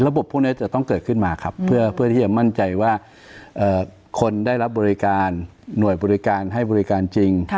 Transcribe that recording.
พวกนี้จะต้องเกิดขึ้นมาครับเพื่อที่จะมั่นใจว่าคนได้รับบริการหน่วยบริการให้บริการจริง